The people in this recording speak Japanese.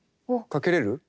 かけれる？